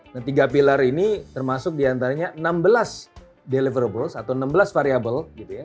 nah tiga pilar ini termasuk diantaranya enam belas deliverables atau enam belas variable